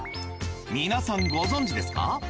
皆さんご存じですか？